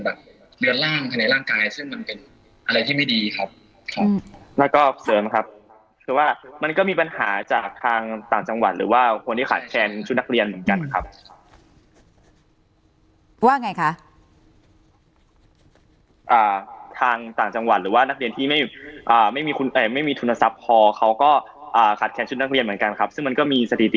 เรือนร่างภายในร่างกายซึ่งมันเป็นอะไรที่ไม่ดีครับครับแล้วก็เสริมครับคือว่ามันก็มีปัญหาจากทางต่างจังหวัดหรือว่าคนที่ขาดแคลนชุดนักเรียนเหมือนกันนะครับว่าไงคะอ่าทางต่างจังหวัดหรือว่านักเรียนที่ไม่อ่าไม่มีคุณเอ่อไม่มีทุนทรัพย์พอเขาก็อ่าขาดแนนชุดนักเรียนเหมือนกันครับซึ่งมันก็มีสถิติ